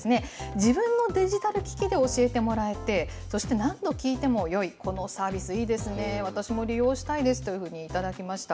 自分のデジタル機器で教えてもらえて、そして何度聞いてもよい、このサービスいいですね、私も利用したいですというふうに頂きました。